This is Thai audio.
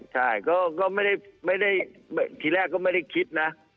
ใช่ก็ไม่ได้ทีแรกก็ไม่ได้คิดนะ